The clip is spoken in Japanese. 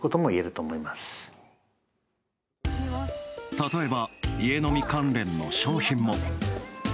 例えば、家飲み関連の商品も。